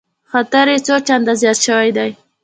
خطر یې څو چنده زیات شوی دی